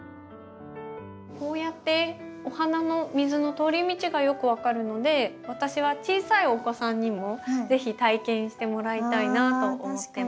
こうやってお花の水の通り道がよく分かるので私は小さいお子さんにも是非体験してもらいたいなと思ってます。